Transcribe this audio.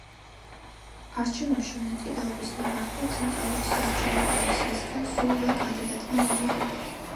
არჩევნებში მონაწილეობის ნებართვა ცენტრალური საარჩევნო კომისიისგან სულ რვა კანდიდატმა მიიღო.